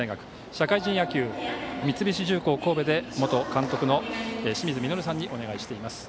社会人野球、三菱重工神戸で元監督の清水稔さんにお願いしています。